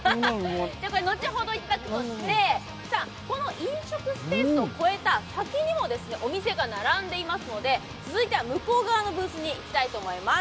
後ほどいただくこととして、この飲食スペースを越えた、この先にもお店が並んでいますので、続いては向こうのブースに行きたいと思います。